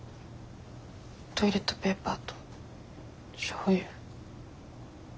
トイレットペーパーとしょうゆ。